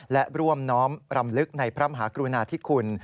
และร่วมน้อมรำลึกในพระมหากรุณาธิคุณ